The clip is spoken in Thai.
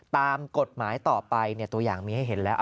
ตามกฎหมายต่อไปตัวอย่างมีให้เห็นแล้ว